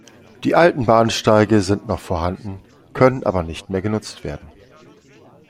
Die alten Bahnsteige sind noch vorhanden, können aber nicht mehr genutzt werden.